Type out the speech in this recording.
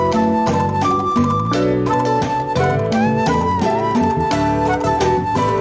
boleh saya pikir pikir dulu